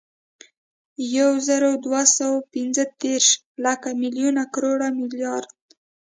یوزرودوهسوه اوپنځهدېرس، لک، ملیون، کروړ، ملیارد